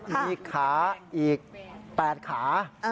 มีขาอีก๘ขา